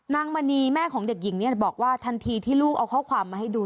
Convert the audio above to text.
มณีแม่ของเด็กหญิงเนี่ยบอกว่าทันทีที่ลูกเอาข้อความมาให้ดู